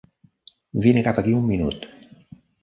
Vine cap aquí un minut.